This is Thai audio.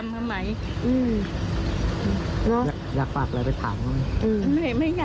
ไม่อยากนะอยากกลับถึงหน้าอย่างเดียว